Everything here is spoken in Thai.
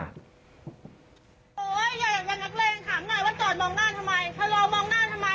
โอ้ยอย่าอย่าเป็นนักเลงถามหน่อยว่าจอดมองหน้าทำไม